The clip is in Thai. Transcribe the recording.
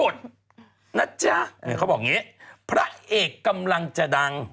ถามแบบนี้มันต้องเป็นพี่อันจริงอ่ะ